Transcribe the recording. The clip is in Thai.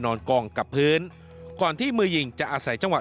กองกับพื้นก่อนที่มือยิงจะอาศัยจังหวะ